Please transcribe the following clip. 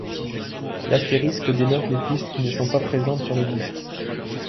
L'astérisque dénote les pistes qui ne sont pas présentes sur le disque.